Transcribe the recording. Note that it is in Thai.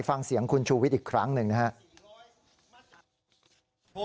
ฟังเสียงคุณชูวิทย์อีกครั้งหนึ่งนะครับ